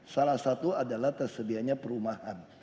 salah satu adalah tersedianya perumahan